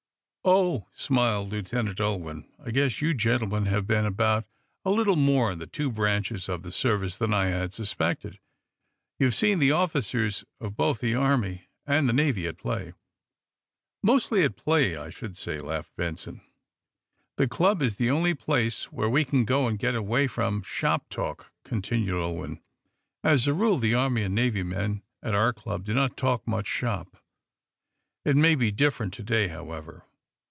"Oh!" smiled Lieutenant Ulwin. "I guess you gentlemen have been about a little more in the two branches of the service, than I had suspected. You have seen the officers of both the Army and the Navy at play?" "Mostly at table, I should say," laughed Benson. "The club is the only place where we can go and get away from shop talk," continued Ulwin. "As a rule the Army and Navy men at our club do not talk much shop. It may be different to day, however."